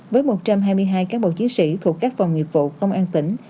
với một trăm hai mươi hai cán bộ chiến sĩ thuộc các phòng nghiệp vụ công an tỉnh